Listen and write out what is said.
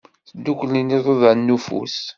Dduklen iḍudan n ufus.